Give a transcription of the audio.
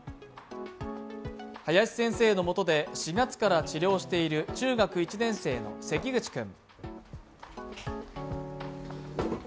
林先生のもとで、４月から治療をしている中学１年生の関口君。